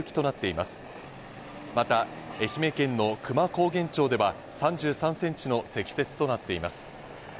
また愛媛県の久万高原町では、３３センチの積雪となっています。